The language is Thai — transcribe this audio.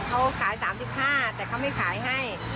เขาขาย๓๕แต่เขาไม่ขายให้